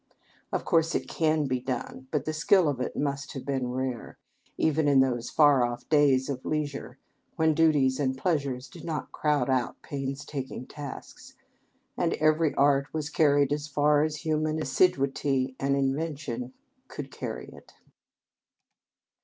Of course it can be done, but the skill of it must have been rare, even in those far off days of leisure when duties and pleasures did not crowd out painstaking tasks, and every art was carried as far as human assiduity and invention could carry it.